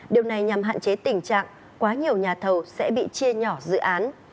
điều này nhằm hạn chế tình trạng quá nhiều nhà thầu sẽ bị chia nhỏ dự án